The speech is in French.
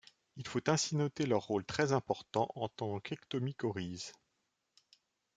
Il faut ainsi noter leur rôle très important en tant qu'ectomycorhize.